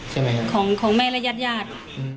ใช่มั้ยครับของแม่ระยะญาติ